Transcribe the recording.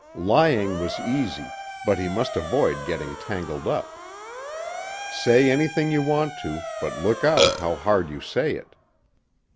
Lying was easy but he must avoid getting tangled up. Say anything you want to, but look out how hard you say it.